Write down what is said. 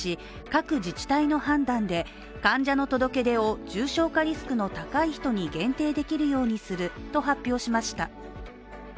各自治体の判断で患者の届け出を重症化リスクの高い人に限定できるようにすると発表しました。